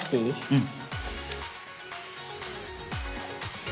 うん。